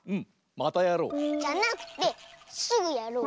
またやろう！じゃなくてすぐやろう！